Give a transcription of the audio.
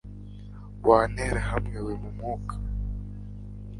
wa nterahamwe we yo mumwuka